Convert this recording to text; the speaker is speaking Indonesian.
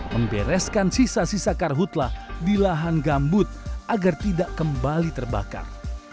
membereskan sisa sisa karhutlah di lahan gambut agar tidak kembali terbakar